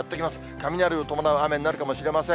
雷を伴う雨になるかもしれません。